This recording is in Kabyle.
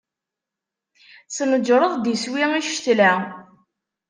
Tneǧǧreḍ-d iswi i ccetla.